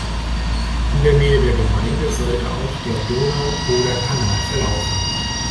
In der Nähe der Gemeinde sollte auch der Donau-Oder-Kanal verlaufen.